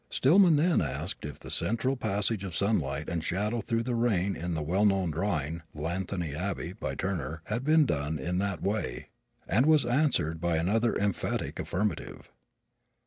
Stillman then asked if the central passage of sunlight and shadow through rain in the well known drawing "Llanthony Abbey" by Turner, had been done in that way and was answered by another emphatic affirmative.